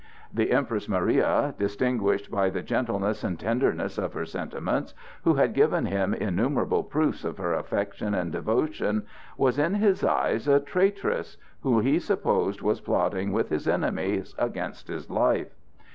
The Empress Maria, distinguished by the gentleness and tenderness of her sentiments, who had given him innumerable proofs of her affection and devotion, was in his eyes a traitress who he supposed was plotting with his enemies against his life.